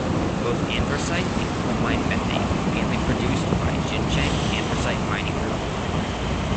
Both anthracite and coal mine methane were mainly produced by Jincheng Anthracite Mining Group.